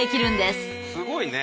すごいね。